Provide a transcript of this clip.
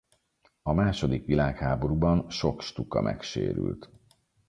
A második világháborúban sok Stuka megsérült.